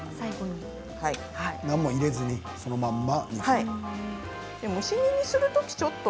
何も入れずに、そのまんま。